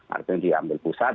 artinya diambil pusat